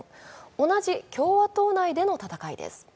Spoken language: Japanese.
同じ共和党内での戦いです。